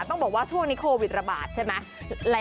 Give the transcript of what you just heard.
ต้องบอกว่าช่วงนี้โควิดระบาดใช่ไหม